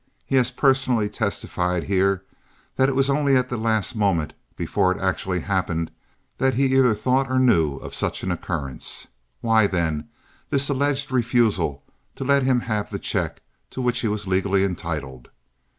He has personally testified here that it was only at the last moment before it actually happened that he either thought or knew of such an occurrence. Why, then, this alleged refusal to let him have the check to which he was legally entitled?